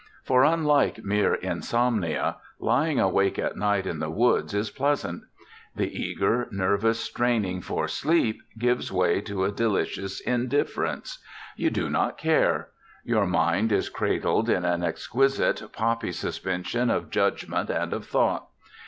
For, unlike mere insomnia, lying awake at night in the woods is pleasant. The eager, nervous straining for sleep gives way to a delicious indifference. You do not care. Your mind is cradled in an exquisite poppy suspension of judgment and of thought.